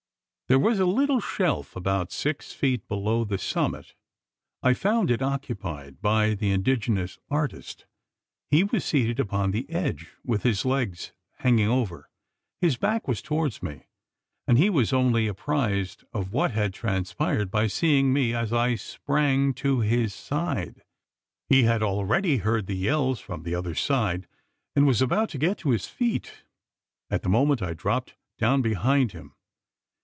There was a little shelf about six feet below the summit. I found it occupied by the indigenous artist. He was seated upon the edge, with his legs hanging over. His back was towards me; and he was only apprised of what had transpired by seeing me as I sprang to his side. He had already heard the yells from the other side; and was about to get to his feet, at the moment I dropped down behind him.